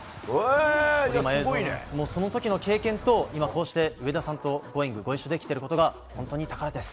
その時の経験と今上田さんと「Ｇｏｉｎｇ！」をご一緒できていることが本当に宝です。